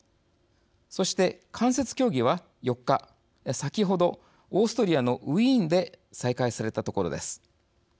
そして、間接協議は先ほど、４日オーストリアのウィーンで再開されたということです。